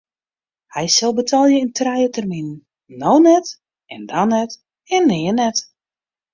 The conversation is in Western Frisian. Hy sil betelje yn trije terminen: no net en dan net en nea net.